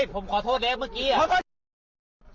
ผมขอโทษแล้วเมื่อกี้